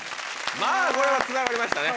まぁこれはつながりましたね。